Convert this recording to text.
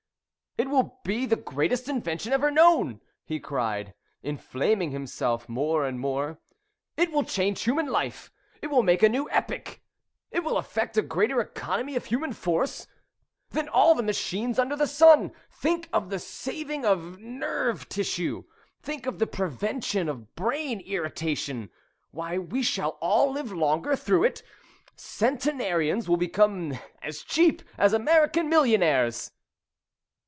"It will be the greatest invention ever known!" he cried, inflaming himself more and more. "It will change human life, it will make a new epoch, it will effect a greater economy of human force than all the machines under the sun. Think of the saving of nerve tissue, think of the prevention of brain irritation. Why, we shall all live longer through it centenarians will become as cheap as American millionaires."